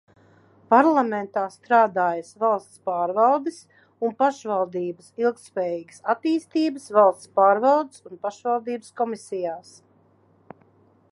Parlamentā strādājis valsts pārvaldes un pašvaldības, ilgtspējīgas attīstības, valsts pārvaldes un pašvaldības komisijās.